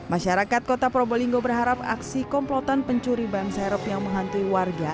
masyarakat kota probolinggo berharap aksi komplotan pencuri ban serep yang menghantui warga